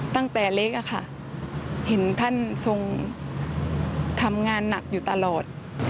ตั้งแต่เล็กอะค่ะเห็นท่านทรงทำงานหนักอยู่ตลอด